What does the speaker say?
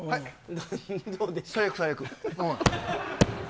最悪最悪。